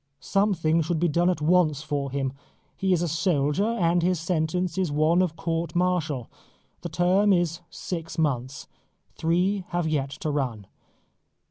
Something should be done at once for him. He is a soldier, and his sentence is one of court martial. The term is six months. Three have yet to run.